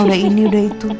udah ini udah itu